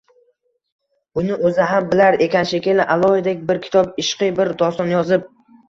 Buni o‘zi ham bilar ekan, shekilli, alohida bir kitob, ishqiy bir doston yozib